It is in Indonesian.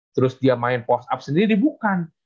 terus dia main post up sendiri bukan